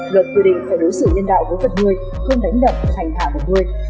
luật quy định phải đối xử nhân đạo với vật nuôi không đánh đậm hành thả vật nuôi